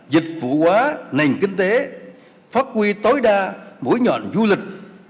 dịch vụ quá nền kinh tế phát huy tối đa mỗi nhọn du lịch